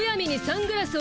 サングラス？